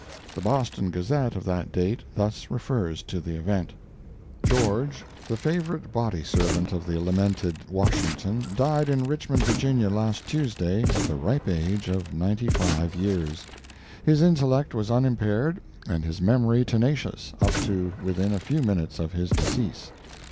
The Boston Gazette of that date thus refers to the event: George, the favorite body servant of the lamented Washington, died in Richmond, Va., last Tuesday, at the ripe age of 95 years. His intellect was unimpaired, and his memory tenacious, up to within a few minutes of his decease.